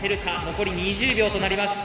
残り２０秒となります。